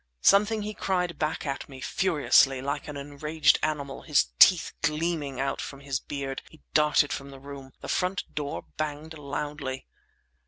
Something he cried back at me, furiously—and like an enraged animal, his teeth gleaming out from his beard, he darted from the room. The front door banged loudly.